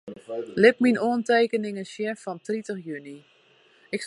Lit myn oantekeningen sjen fan tritich juny.